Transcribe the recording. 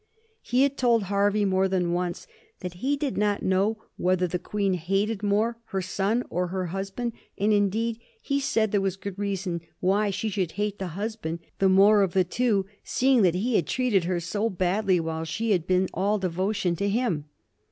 He had told Hervey more than once that he did not know whether the Queen hated more her son or her husband; and, indeed, he said there was good reason why she should hate the husband the more of tho two, Beelog that he had treated her so badly while she had been all devotion to him.